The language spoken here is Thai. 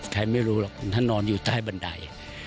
ใครไม่รู้หรอกท่านนอนอยู่ใต้บันได